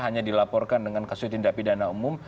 hanya dilaporkan dengan kasus tindak pidana umum